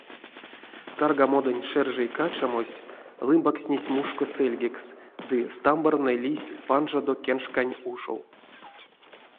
Таргамодонть шержей качамось лымбакстнесь мушко сэльгекс ды стамбарнэ лиссь панжадо кенкшканть ушов.